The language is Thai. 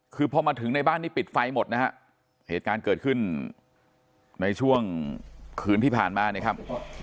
คือพอมาถึงในบ้านนี้ปิดไฟหมดนะฮะเหตุการณ์เกิดขึ้นในช่วงคืนที่ผ่านมานะครับ